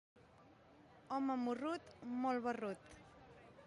Home morrut, molt barrut.